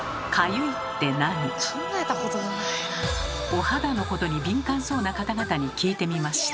お肌のことに敏感そうな方々に聞いてみました。